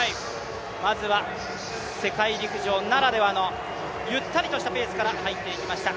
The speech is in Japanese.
まずは世界陸上ならではのゆったりとしたペースから入っていきました。